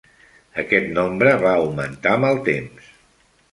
Aquest nombre va augmentar amb el temps.